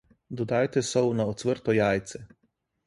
Dodajte sol na ocvrto jajce.